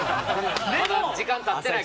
・時間たってない。